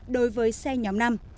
đối với xe nhóm năm